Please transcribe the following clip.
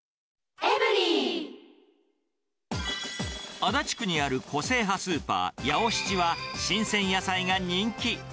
足立区にある個性派スーパー、ヤオシチは、新鮮野菜が人気。